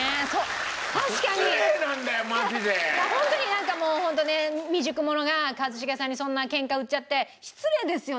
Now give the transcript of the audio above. なんかもうホントね未熟者が一茂さんにそんなケンカ売っちゃって失礼ですよね？